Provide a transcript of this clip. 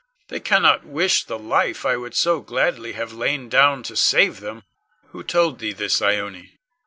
They cannot wish the life I would so gladly have lain down to save them. Who told thee this, Ione?